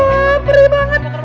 aduh beri banget